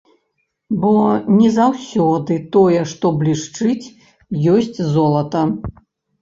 Бо не заўсёды тое, што блішчыць, ёсць золата.